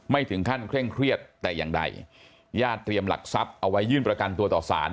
ไม่ถึงขั้นเคร่งเครียดแต่อย่างใดญาติเตรียมหลักทรัพย์เอาไว้ยื่นประกันตัวต่อสาร